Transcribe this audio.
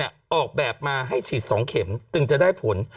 เนี่ยออกแบบมาให้ฉีดสองเข็มจึงจะได้ผล